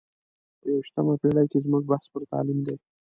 په یو ویشتمه پېړۍ کې زموږ بحث پر تعلیم دی.